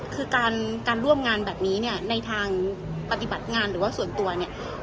คือการร่วมงานแบบนี้เนี่ยในทางปฏิบัติงานหรือว่าส่วนตัวเนี่ย